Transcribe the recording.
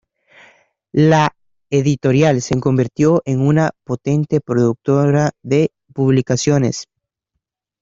La editorial se convirtió en una potente productora de publicaciones.